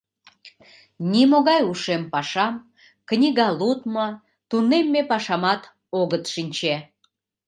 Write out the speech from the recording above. Нимогай ушем пашам, книга лудмо, тунемме пашамат огыт шинче.